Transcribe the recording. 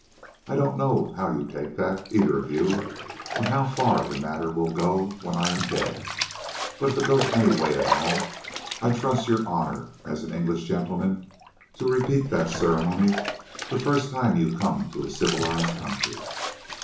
I don't know how you take that, either of you, or how far the matter will go when I am dead. But if it goes any way at all, I trust to your honour, as an English gentleman, to repeat that ceremony the first time you come to a civilised country.